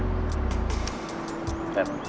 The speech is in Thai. ไม่เป็นไรนะ